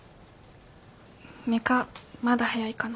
メカまだ早いかな。